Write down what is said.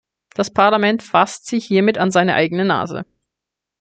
Das Parlament fasst sich hiermit an seine eigene Nase.